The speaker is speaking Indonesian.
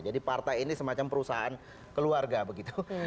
jadi partai ini semacam perusahaan keluarga begitu